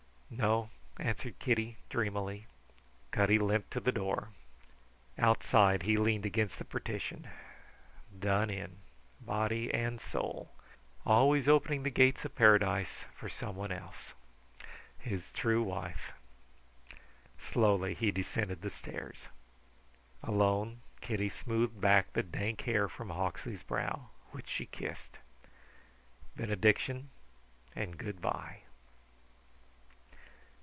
"No," answered Kitty, dreamily. Cutty limped to the door. Outside he leaned against the partition. Done in, body and soul. Always opening the gates of paradise for somebody else... His true wife! Slowly he descended the stairs. Alone, Kitty smoothed back the dank hair from Hawksley's brow, which she kissed. Benediction and good bye.